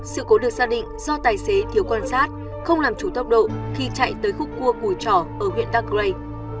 sự cố được xác định do tài xế thiếu quan sát không làm chủ tốc độ khi chạy tới khúc cua cùi trỏ ở huyện đắk rây